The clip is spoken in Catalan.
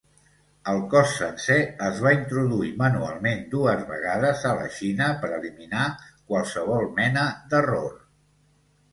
El cos sencer es va introduir manualment dues vegades a la Xina per eliminar qualsevol mena d'error.